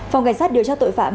phòng cảnh sát điều tra tội phạm